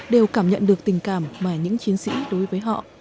đều cảm nhận được tình cảm mà những chiến sĩ đối với họ